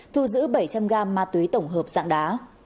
thu giữ bảy trăm linh gram ma túy tổng hợp dạng đá